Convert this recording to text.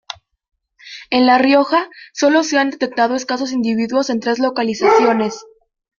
En La Rioja sólo se han detectado escasos individuos en tres localizaciones.